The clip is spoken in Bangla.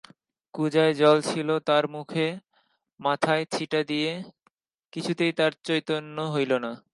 কুঁজায় জল ছিল, তার মুখে মাথায় ছিটা দিয়া কিছুতেই তার চৈতন্য হইল না।